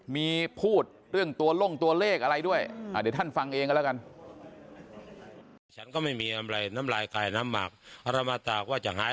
มีพูดเรื่องตัวล่งตัวเลขอะไรด้วย